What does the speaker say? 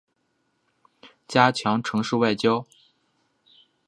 加强城市外交